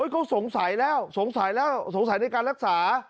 เขาสงสัยแล้วสงสัยในการรักษา